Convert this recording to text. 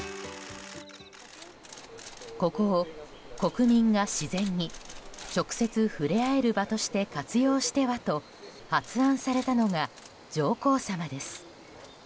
ここを、国民が自然に直接触れ合える場として活用してはと発案されたのが、上皇さまです。